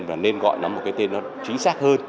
và nên gọi nó một cái tên nó chính xác hơn